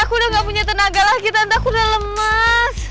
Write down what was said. aku udah gak punya tenaga lagi tante aku udah lemas